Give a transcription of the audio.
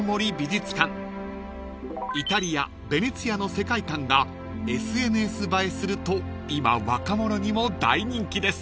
［イタリアベネチアの世界観がＳＮＳ映えすると今若者にも大人気です］